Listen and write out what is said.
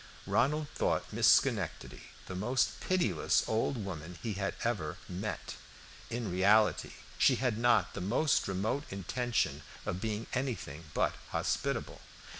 Ronald thought Miss Schenectady the most pitiless old woman he had ever met. In reality she had not the most remote intention of being anything but hospitable.